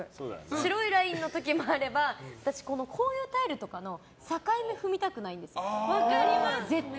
白いラインの時もあればこういうタイルとかの境目踏みたくないんです、絶対。